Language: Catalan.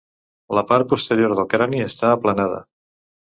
La part posterior del crani està aplanada.